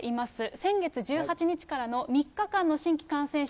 先月１８日からの３日間の新規感染者